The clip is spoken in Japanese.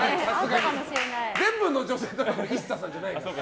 全部の女性がＩＳＳＡさんじゃないから。